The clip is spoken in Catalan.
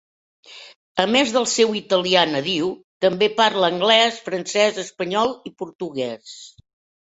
A més del seu italià nadiu, també parla anglès, francès, espanyol i portuguès.